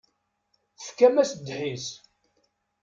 Tefkamt-as ddḥis.